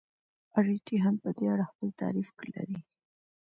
اریټي هم په دې اړه خپل تعریف لري.